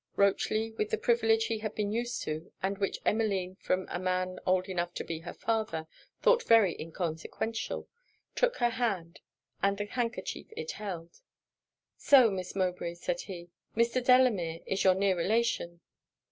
Rochely, with a privilege he had been used to, and which Emmeline, from a man old enough to be her father, thought very inconsequential, took her hand and the handkerchief it held. 'So, Miss Mowbray,' said he, 'Mr. Delamere is your near relation?'